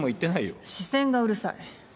視線がうるさい。